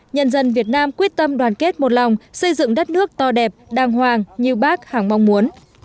nhân dân việt nam quyết tâm đoàn kết một lòng xây dựng đất nước to đẹp đàng hoàng như bác hẳng mong muốn